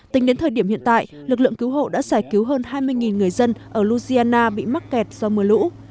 tính đến thời điểm hiện tại lực lượng cứu hộ đã giải cứu hơn hai mươi người dân ở losiana bị mắc kẹt do mưa lũ